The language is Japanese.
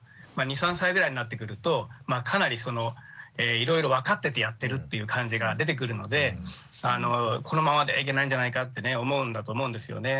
２３歳ぐらいになってくるとかなりそのいろいろ分かっててやってるっていう感じが出てくるのでこのままではいけないんじゃないかってね思うんだと思うんですよね。